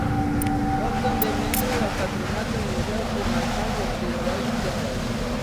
Fou també membre del patronat del Museu Comarcal i Arqueològic de Reus.